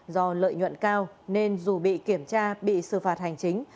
do lợi nhuận cao nên dù bị kiểm tra bị xử phạt hành chính